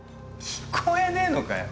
聞こえねえのかよ？